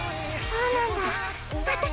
そうなんだ。